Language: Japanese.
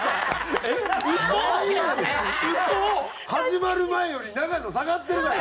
始まる前より永野下がってるがな！